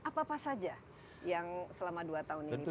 apa apa saja yang selama dua tahun ini